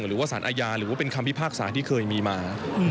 หรือสารอ่าญรูปแล้วเป็นคำพิพากษาที่เคยมีมา